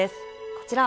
こちら。